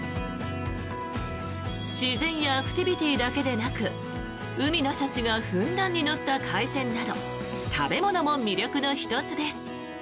自然やアクティビティーだけでなく海の幸がふんだんに乗った海鮮など食べ物も魅力の１つです。